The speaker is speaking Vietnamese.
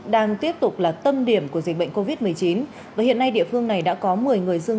đang tiếp tục là tâm điểm của dịch bệnh covid một mươi chín và hiện nay địa phương này đã có một mươi người dương